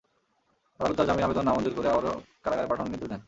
আদালত তার জামিন আবেদন নামঞ্জুর করে আবারো কারাগারে পাঠানোর নির্দেশ দেন।